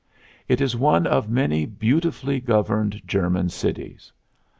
It is one of many beautifully governed German cities.